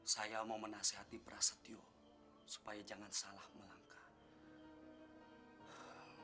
saya mau menasehati prasetyo supaya jangan salah melangkah